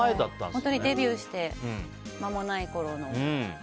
本当デビューして間もないころの。